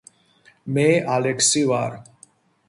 მე ალექსი ვარ